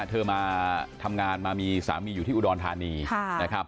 เธอมาทำงานมามีสามีอยู่ที่อุดรธานีนะครับ